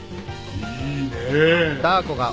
いいね！